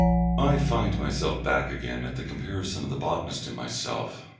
I find myself back again at the comparison of the botanist and myself.